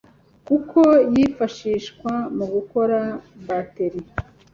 kuko yifashishwa mu gukora batterie